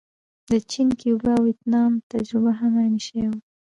د چین، کیوبا او ویتنام تجربه هم عین شی وه.